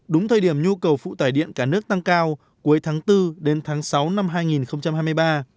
đúng thời điểm nhu cầu phụ tải điện cả nước tăng cao cuối tháng bốn đến tháng sáu năm hai nghìn hai mươi ba